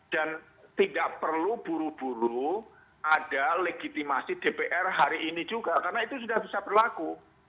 dan tidak perlu buru buru ada legitimasi dpr hari ini juga karena itu sudah bisa berlaku